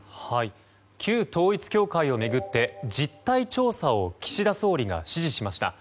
旧統一教会を巡って実態調査を岸田総理が指示しました。